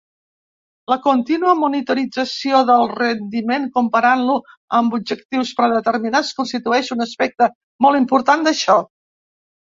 La continua monitorització del rendiment, comparant-lo amb objectius predeterminats, constitueix un aspecte molt important d'això.